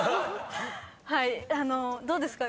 あのどうですか？